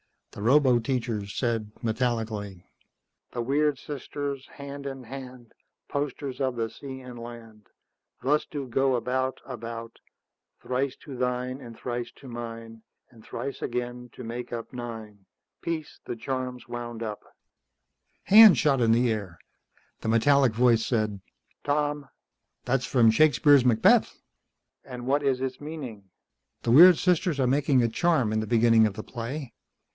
The roboteacher said metallically, "_The weird sisters, hand in hand, Posters of the sea and land, Thus do go about, about: Thrice to thine, and thrice to mine, And thrice again, to make up nine. Peace! the charm's wound up._" Hands shot into the air. The metallic voice said, "Tom?" "That's from Shakespeare's Macbeth." "And what is its meaning?" "The weird sisters are making a charm in the beginning of the play.